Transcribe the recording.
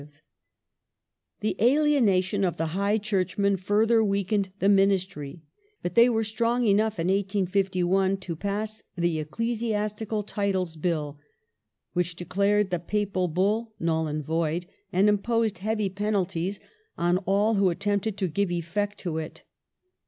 Ecclesi The alienation of the Hiffh Churchmen further weakened the astical .. Titles Ministry, but they were strong enough in 1851 to pass the Ecclesi Ac' astical Titles Bill, which declared the Papal Bull null and void, and imposed heavy penalties on all who attempted to give effect to it.